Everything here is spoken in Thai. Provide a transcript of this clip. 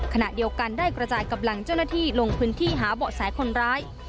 ขณะเดียวกันได้กระจายกำลังเจ้าหน้าที่ลงพื้นที่หาเบาะแสคนร้าย